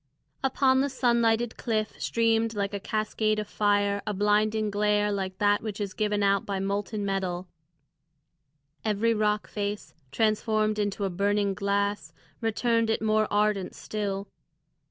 Upon the sun lighted cliff streamed like a cascade of fire a blinding glare like that which is given out by molten metal; every rock face, transformed into a burning glass, returned it more ardent still.